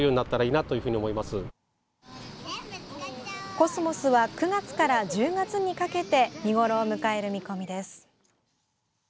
コスモスは９月から１０月にかけて見ごろを迎える見込みです。